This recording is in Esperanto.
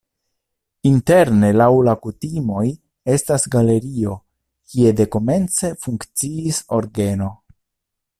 Interne laŭ la kutimoj estas galerio, kie dekomence funkciis orgeno.